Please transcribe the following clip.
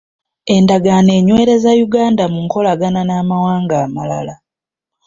Endagaano enyweereza Uganda mu nkolagana n'amawanga amalala.